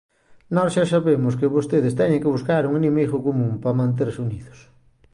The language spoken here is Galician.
Nós xa sabemos que vostedes teñen que buscar un inimigo común para manterse unidos.